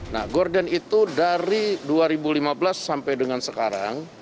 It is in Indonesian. nah gorden itu dari dua ribu lima belas sampai dengan sekarang